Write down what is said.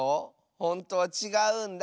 ほんとはちがうんだ。